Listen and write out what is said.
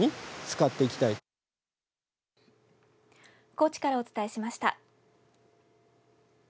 高知からお伝えしました。